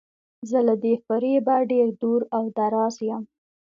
زه له دې فریبه ډیر دور او دراز یم.